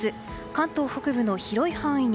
関東北部の広い範囲に